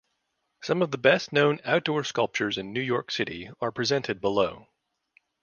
Some of the best known outdoor sculptures in New York City are presented below.